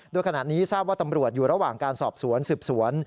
โดยขณะนี้ทราบว่าตำรวจอยู่ระหว่างการสอบสวนสืบสวน